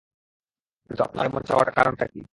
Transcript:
কিন্তু আপনার এমনটা চাওয়ার কারণ কী?